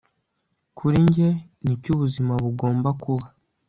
kuri njye nicyo ubuzima bugomba kuba